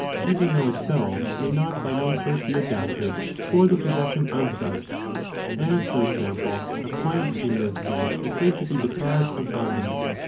uSect ®^®^ though itsclf may not by nature be adapted for the possession of such; as, for example, a plant in this sense is said to be deprived of eyes.